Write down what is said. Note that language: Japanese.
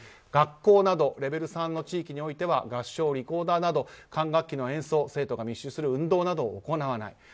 学校などレベル３の地域においては合唱、リコーダーなど管楽器の演奏、生徒が密集する運動などを行わない。